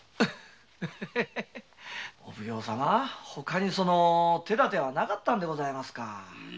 お奉行様ほかに手だてはなかったんでございますか？